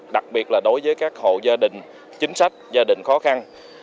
đặc biệt là đối với các hộ gia đình chính sách gia đình khó khăn